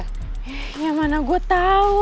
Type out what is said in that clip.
eh ya mana gua tau